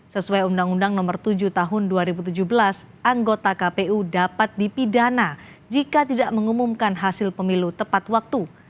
sesuai undang undang nomor tujuh tahun dua ribu tujuh belas anggota kpu dapat dipidana jika tidak mengumumkan hasil pemilu tepat waktu